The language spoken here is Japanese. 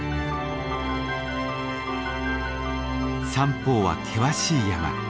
三方は険しい山。